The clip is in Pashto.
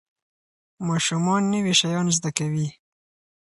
ماشومان نوي شیان زده کوي.